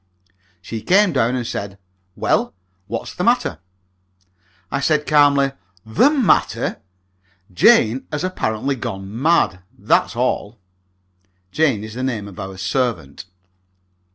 She came down and said, "Well, what's the matter?" I said, calmly, "The matter? Jane has apparently gone mad, that's all." (Jane is the name of our servant.)